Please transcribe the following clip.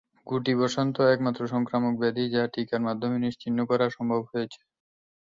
গুটিবসন্ত একমাত্র সংক্রামক ব্যাধি যা টিকার মাধ্যমে নিশ্চিহ্ন করা সম্ভব হয়েছে।